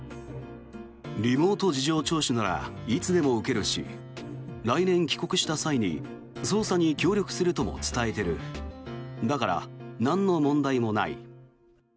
リモート事情聴取ならいつでも受けるし来年、帰国した際に捜査に協力するとも伝えてるだから、なんの問題もない。